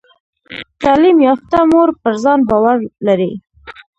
تعلیم یافته مور پر ځان باور لري۔